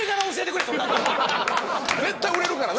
絶対売れるからな。